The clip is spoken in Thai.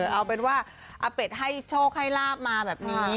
เอาเป็นว่าอาเป็ดให้โชคให้ลาบมาแบบนี้